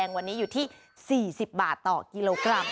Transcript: ชั่วตลอดตลาด